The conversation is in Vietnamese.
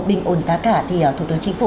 bình ổn giá cả thì thủ tướng chính phủ